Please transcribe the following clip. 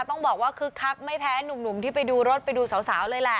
ต้องบอกว่าคึกคักไม่แพ้หนุ่มที่ไปดูรถไปดูสาวเลยแหละ